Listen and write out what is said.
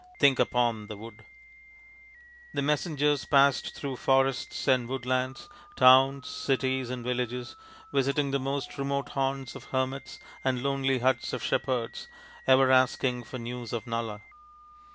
Think upon the wood 1 " The messengers passed through forests and wood lands, towns, cities, and villages, visiting the most remote haunts of hermits and lonely huts of shep herds, ever asking for news of Nala.